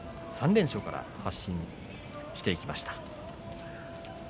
３連勝から発進していきました。